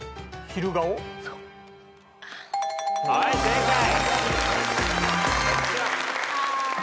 はい正解。